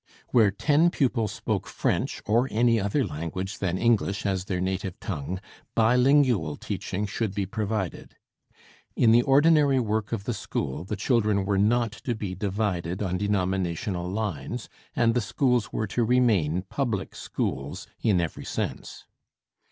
Where ten pupils spoke French or any other language than English as their native tongue, bi lingual teaching should be provided. In the ordinary work of the school the children were not to be divided on denominational lines, and the schools were to remain public schools in every sense.